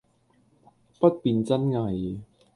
不辨真偽